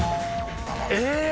え！